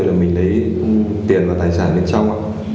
khi mình lấy tiền và tài sản bên trong